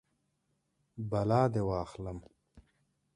بلا دې واخلم.